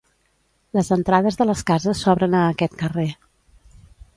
Les entrades de les cases s'obren a aquest carrer.